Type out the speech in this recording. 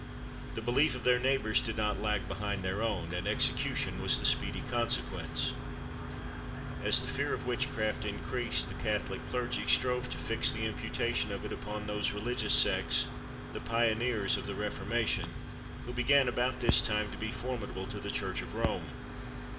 The belief of their neighbours did not lag behind their own, and execution was the speedy consequence. [Illustration: JOAN OF ARC.] As the fear of witchcraft increased, the Catholic clergy strove to fix the imputation of it upon those religious sects, the pioneers of the Reformation, who began about this time to be formidable to the Church of Rome.